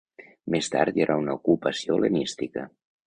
Més tard hi ha una ocupació hel·lenística.